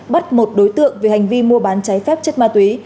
bắt một đối tượng về hành vi mua bán cháy phép chất ma túy